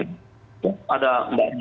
tuh ada mbak ibi